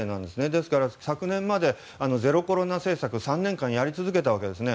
ですから、昨年までゼロコロナ政策を３年間やり続けたわけですね。